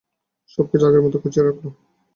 সবকিছু আগের মতো গুছিয়ে রাখলাম।